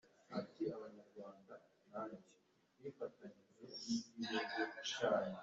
Alex Heard naho uwa gatatu ni uwo yafashe yiyemeza kumubera nyina.